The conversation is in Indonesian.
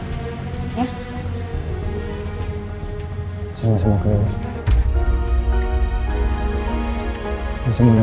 maaf ya mas seharusnya aku nggak kasih banyak informasi ke kamu